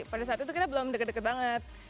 pada saat itu kita belum deket deket banget